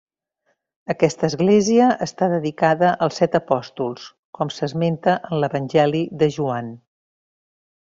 Aquesta església està dedicada als set apòstols, com s'esmenta en l'Evangeli de Joan.